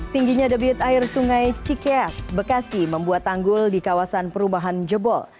tingginya debit air sungai cikeas bekasi membuat tanggul di kawasan perumahan jebol